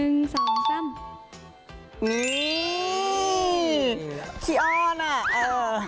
นี่ขี้อ้อนอ่ะเออ